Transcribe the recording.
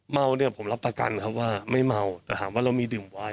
เมาเนี่ยผมรับประกันครับว่าไม่เมาแต่ถามว่าเรามีดื่มไวน์